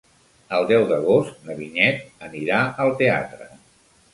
El deu d'agost na Vinyet anirà al teatre.